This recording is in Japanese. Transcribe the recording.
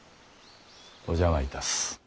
お邪魔いたす。